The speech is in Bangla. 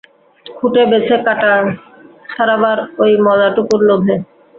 খুঁটে-বেছে কাঁটা ছাড়াবার ওই মজাটুকুর লোভে।